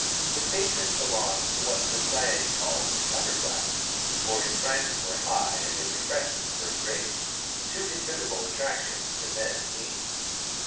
His patrons belonged to what society calls the "upper classes," for his prices were high and his refreshments first rate; two considerable attractions to men of means.